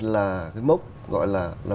là cái mốc gọi là